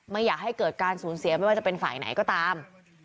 ไม่อยากให้เกิดการสูญเสียไม่ว่าจะเป็นฝ่ายไหนก็ตาม